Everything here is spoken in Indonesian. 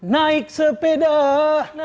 naik sepeda mati lampunya